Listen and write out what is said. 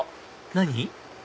何？